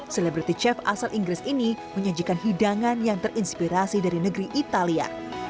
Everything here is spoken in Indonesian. selebriti chef asal inggris ini menyajikan hidangan yang terinspirasi dari negeri italia